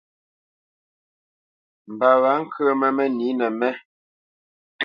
Mbǎ wá nkǝmǝ mǝnǐnǝ mé.